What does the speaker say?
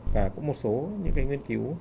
và cũng một số những cái nghiên cứu